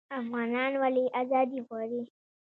افغانان ولې ازادي غواړي؟